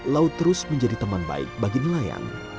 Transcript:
laut terus menjadi teman baik bagi nelayan